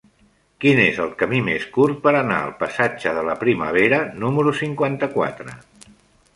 Quin és el camí més curt per anar al passatge de la Primavera número cinquanta-quatre?